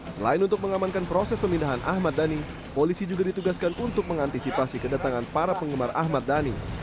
selain untuk mengamankan proses pemindahan ahmad dhani polisi juga ditugaskan untuk mengantisipasi kedatangan para penggemar ahmad dhani